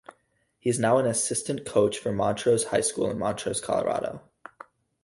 He now is an assistant coach for Montrose High School in Montrose, Colorado.